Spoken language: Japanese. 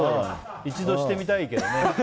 一度してみたいけどね。